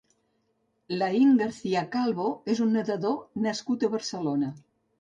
Lain García Calvo és un nedador nascut a Barcelona.